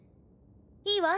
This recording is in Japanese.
いいわ。